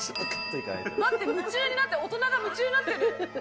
だって夢中になって、大人が大人が夢中になってる。